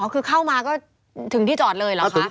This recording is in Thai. คือเข้ามาก็ถึงที่จอดเลยเหรอคะ